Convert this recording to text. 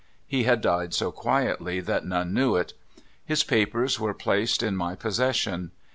He had died so quietly that none knew it. His papers were placed in my pos session.